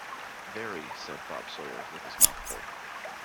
‘Very,’ said Bob Sawyer, with his mouth full.